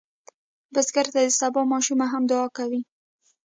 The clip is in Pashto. بزګر ته د سبا ماشومه هم دعا کوي